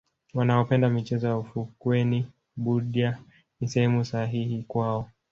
wanaopenda michezo ya ufukweni budya ni sehemu sahihi kwao